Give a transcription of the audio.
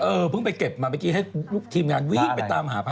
เพิ่งไปเก็บมาเมื่อกี้ให้ลูกทีมงานวิ่งไปตามหาพระ